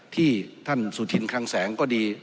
ที่ท่านสุธินคลังแสงก็ดี